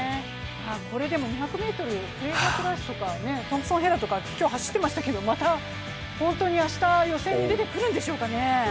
２００ｍ、フレイザー・プライスとかトンプソン・ヘラとか今日走っていましたけど、本当に明日、予選に出てくるんでしょうかね。